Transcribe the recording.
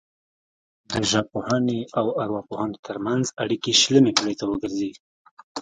د ژبپوهنې او ارواپوهنې ترمنځ اړیکې شلمې پیړۍ ته ورګرځي